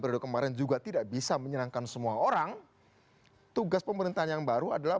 kemarin juga tidak bisa menyenangkan semua orang tugas pemerintahan yang baru adalah